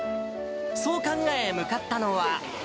そう考え、向かったのは。